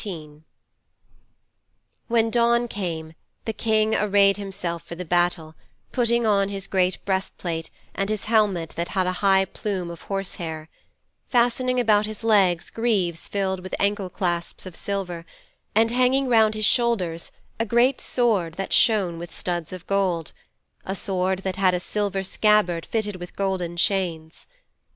XIII When dawn came the King arrayed himself for the battle, putting on his great breast plate and his helmet that had a high plume of horse hair; fastening about his legs greaves fitted with ankle clasps of silver; and hanging round his shoulders a great sword that shone with studs of gold a sword that had a silver scabbard fitted with golden chains.